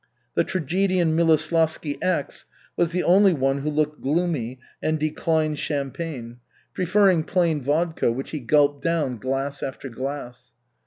The tragedian Miloslavsky X was the only one who looked gloomy and declined champagne, preferring plain vodka, which he gulped down glass after glass.